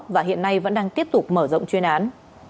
và hiện nay vẫn đang tiếp tục mở rộng chuyên án